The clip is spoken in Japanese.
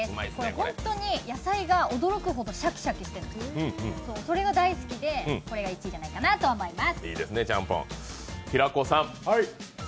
本当に野菜が驚くほどシャキシャキしてて、それが大好きで、これが１位なんじゃないかなと思います。